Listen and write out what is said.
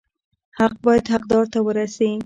حق باید حقدار ته ورسي